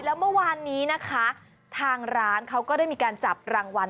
แล้วเมื่อวานนี้นะคะทางร้านเขาก็ได้มีการจับรางวัล